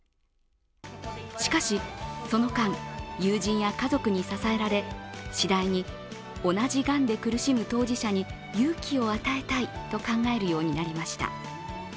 しかし、その間、友人や家族に支えられ次第に、同じがんで苦しむ当事者に勇気を与えたいと考えるようになりました。